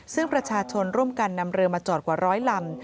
ซึ่งประชาชนร่วมกันนำเรือมาจอดกว่าร้อยลำ